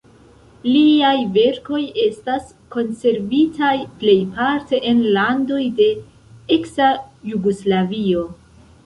Liaj verkoj estas konservitaj plejparte en landoj de eksa Jugoslavio.